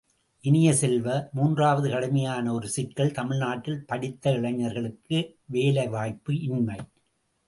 இனிய செல்வ, மூன்றாவது, கடுமையான ஒரு சிக்கல் தமிழ்நாட்டில் படித்த இளைஞர்களுக்கு வேலை வாய்ப்பு இன்மை.